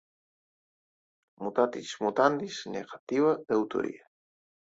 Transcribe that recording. mutatis mutandis, negativa de autoria